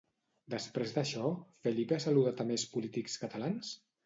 Després d'això, Felipe ha saludat a més polítics catalans?